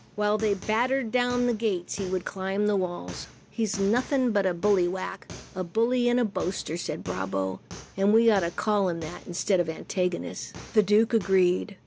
While they battered down the gates, he would climb the walls. "He's nothing but a 'bulle wak'" (a bully and a boaster), said Brabo, "and we ought to call him that, instead of Antigonus." The Duke agreed.